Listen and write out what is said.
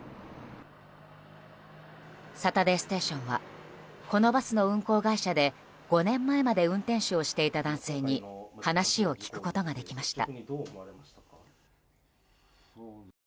「サタデーステーション」はこのバスの運行会社で５年前まで運転手をしていた男性に話を聞くことができました。